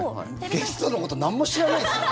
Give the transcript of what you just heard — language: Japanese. ゲストのことなんも知らないですね。